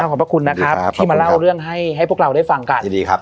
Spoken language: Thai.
ขอบพระคุณที่มาเล่าเรื่องให้พวกเราได้ฟังกัน